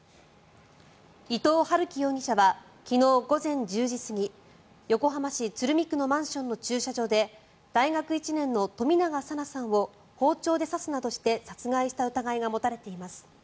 伊藤龍稀容疑者は昨日午前１０時過ぎ横浜市鶴見区のマンションの駐車場で大学１年の冨永紗菜さんを包丁で刺すなどして殺害した疑いが持たれています。